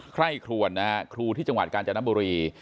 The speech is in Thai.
ใคร่ครวนนะฮะครูที่จังหวัดกาญจนบุรี